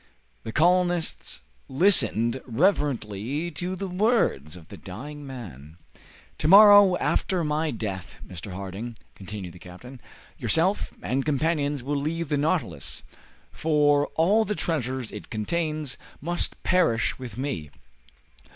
The colonists listened reverently to the words of the dying man. "To morrow, after my death, Mr. Harding," continued the captain, "yourself and companions will leave the 'Nautilus,' for all the treasures it contains must perish with me.